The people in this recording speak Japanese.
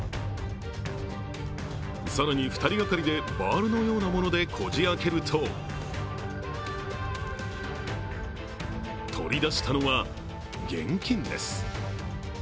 更に、２人がかりでバールのようなものでこじ開けると取り出したのは現金です。